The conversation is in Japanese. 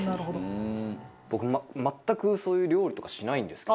僕全くそういう料理とかしないんですけど。